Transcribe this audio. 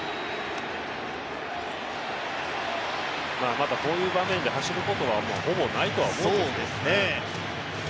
また、こういう場面で走ることはほぼないと思うんですけど。